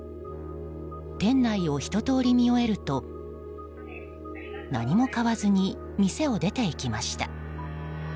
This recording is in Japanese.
店内をひと通り見終えると何も買わずに店を出て行きました。